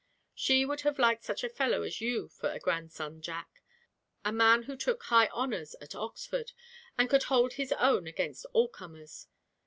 She would have liked such a fellow as you for a grandson, Jack a man who took high honours at Oxford, and could hold his own against all comers.